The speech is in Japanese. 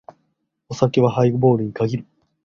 お酒はハイボールに限る。